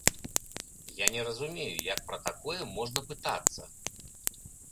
Я не разумею, як пра такое можна пытацца.